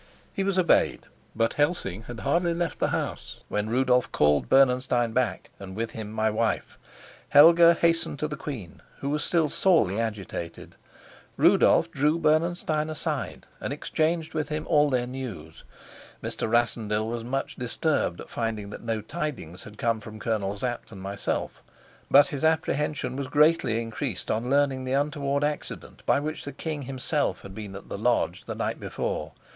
He was obeyed; but Helsing had hardly left the house when Rudolf called Bernenstein back, and with him my wife. Helga hastened to the queen, who was still sorely agitated; Rudolf drew Bernenstein aside, and exchanged with him all their news. Mr. Rassendyll was much disturbed at finding that no tidings had come from Colonel Sapt and myself, but his apprehension was greatly increased on learning the untoward accident by which the king himself had been at the lodge the night before.